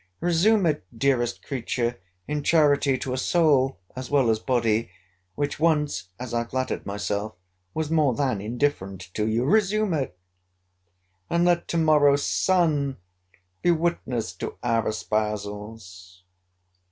Resume it, dearest creature, in charity to a soul, as well as body, which once, as I flattered myself, was more than indifferent to you, resume it. And let to morrow's sun witness to our espousals.